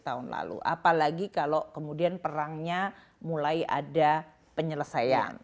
tahun lalu apalagi kalau kemudian perangnya mulai ada penyelesaian